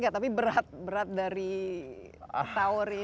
tapi berat dari tower ini